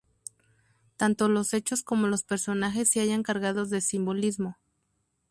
Tanto los hechos como los personajes se hallan cargados de simbolismo.